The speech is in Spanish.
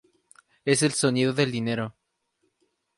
Es el sonido del dinero".